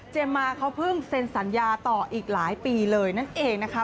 มาเขาเพิ่งเซ็นสัญญาต่ออีกหลายปีเลยนั่นเองนะคะ